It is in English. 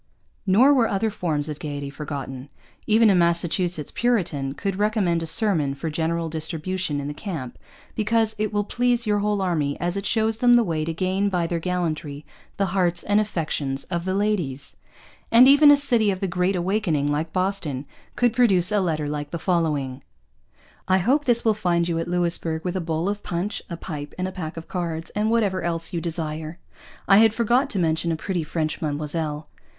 Nor were other forms of gaiety forgotten. Even a Massachusetts Puritan could recommend a sermon for general distribution in the camp because 'It will please your whole army, as it shows them the way to gain by their gallantry the hearts and affections of the Ladys.' And even a city of the 'Great Awakening,' like Boston, could produce a letter like the following: I hope this will find you at Louisbourg with a bowl of Punch, a Pipe, and a Pack of Cards, and whatever else you desire. (I had forgot to mention a Pretty French Madammoselle.)